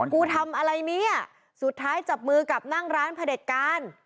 กูทำอะไรเนี่ยสุดท้ายจับมือกับนั่งร้านพระเด็จการ